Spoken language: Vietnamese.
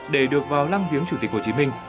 để được vào lăng viếng chủ tịch hồ chí minh